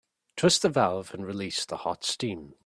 Twist the valve and release hot steam.